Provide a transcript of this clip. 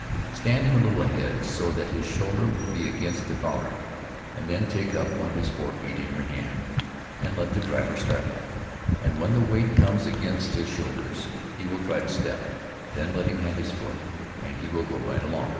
Stand him a little ahead, so that his shoulders will be against the collar, and then take up one of his fore feet in your hand, and let the driver start them, and when the weight comes against his shoulders, he will try to step; then let him have his foot, and he will go right along.